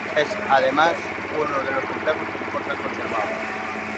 Es, además, uno de los complejos que mejor se han conservado.